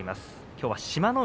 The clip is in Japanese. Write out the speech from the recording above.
きょうは志摩ノ